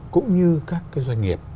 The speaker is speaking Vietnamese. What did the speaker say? cũng như các doanh nghiệp